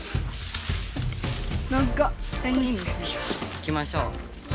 行きましょう。